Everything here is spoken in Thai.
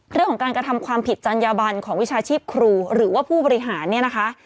กระทำความผิดจัญญาบันของวิชาชีพครูหรือว่าผู้บริหารเนี่ยนะคะ